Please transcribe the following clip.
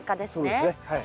そうですねはい。